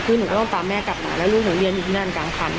คือหนูก็ต้องตามแม่กลับมาแล้วลูกหนูเรียนอยู่ที่นั่นกลางคัน